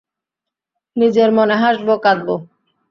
নিজের মনে হাসব, কাঁদব।